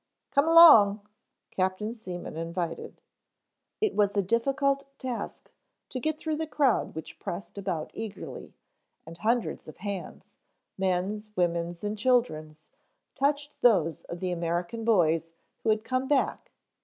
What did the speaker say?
"Come along," Captain Seaman invited. It was a difficult task to get through the crowd which pressed about eagerly, and hundreds of hands, men's, women's and children's, touched those of the American boys who had come back.